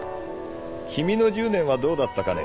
君の１０年はどうだったかね